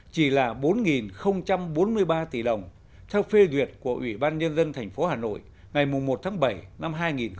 chỉ là bốn bốn mươi ba tỷ đồng theo phê duyệt của ủy ban nhân dân tp hà nội ngày một tháng bảy năm hai nghìn một mươi chín